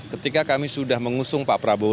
ketika kami sudah mengusung pak prabowo